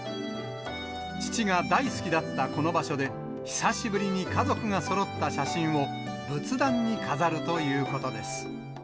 父が大好きだったこの場所で、久しぶりに家族がそろった写真を、仏壇に飾るということです。